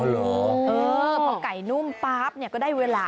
พอไก่นุ่มปั๊บก็ได้เวลา